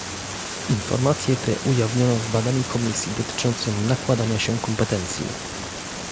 Informacje te ujawniono w badaniu Komisji dotyczącym nakładania się kompetencji